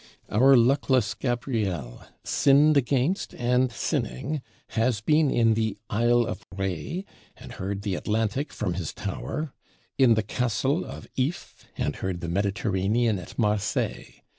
Our luckless Gabriel, sinned against and sinning, has been in the Isle of Rhé, and heard the Atlantic from his tower; in the Castle of If, and heard the Mediterranean at Marseilles.